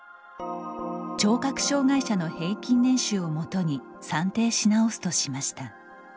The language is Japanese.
聴覚障害者の平均年収を基に算定し直すとしました。